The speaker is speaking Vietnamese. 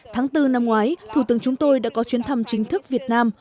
tháng bốn năm ngoái thủ tướng chúng tôi đã có chuyến thăm chính thức việt nam